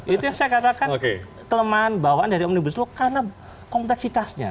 itu yang saya katakan kelemahan bawaan dari omnibus law karena kompleksitasnya